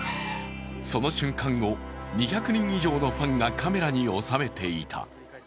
その瞬間を２００人以上のファンがカメラに収めていた。